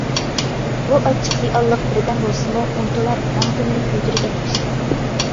بۇ ئاچچىق رېئاللىق بىردەم بولسىمۇ، ئۇنتۇلار مەڭزىمنى كۆيدۈرگەن ياشتا.